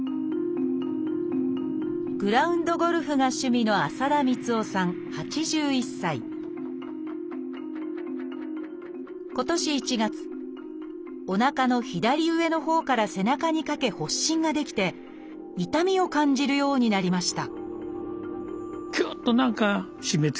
グラウンドゴルフが趣味の今年１月おなかの左上のほうから背中にかけ発疹が出来て痛みを感じるようになりました